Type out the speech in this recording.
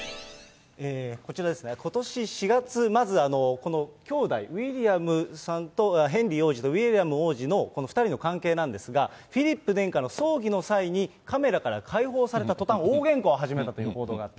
こちらですね、ことし４月、まず、この兄弟、ウィリアムさんと、ヘンリー王子とウィリアム王子のこの２人の関係なんですが、フィリップ殿下の葬儀の際にカメラから解放された途端、大げんかを始めたという報道があった。